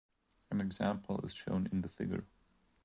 An example is shown in the figure.